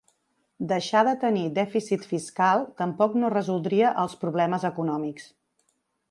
Deixar de tenir dèficit fiscal tampoc no resoldria els problemes econòmics.